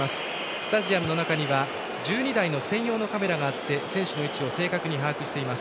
スタジアムの中には１２台の専用のカメラがあって選手の位置を正確に判定しています。